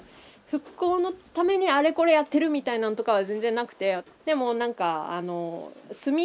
復興のためにあれこれやってるみたいなんとかは全然なくて。